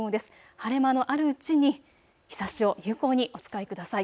晴れ間のあるうちに日ざしを有効にお使いください。